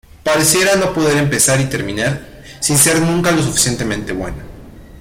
Pareciera no poder empezar y terminar, sin ser nunca lo suficientemente buena.